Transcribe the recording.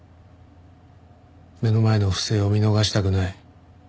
目の前の不正を見逃したくない。